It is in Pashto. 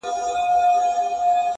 نندارې ته د څپو او د موجونو،